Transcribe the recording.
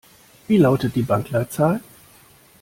Wie lautet die Bankleitzahl?